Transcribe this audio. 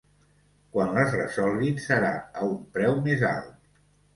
Quan les resolguin, serà a un preu més alt.